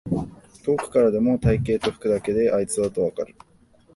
遠くからでも体型と服だけであいつだとわかる